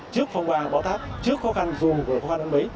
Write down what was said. trước phong ba bão tháp trước khó khăn dù là khó khăn đến bấy